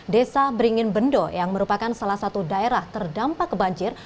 desa beringinbendo yang merupakan salah satu daerah terdampak ke banjir